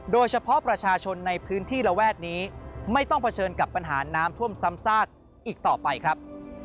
โดยเฉพาะประชาชนในพื้นที่ระแวกนี้ไม่ต้องเผชิญกับปัญหาน้ำท่วมซ้ำซากอีกต่อไปครับ